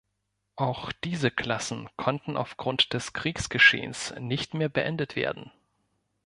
Auch diese Klassen konnten aufgrund des Kriegsgeschehens nicht mehr beendet werden.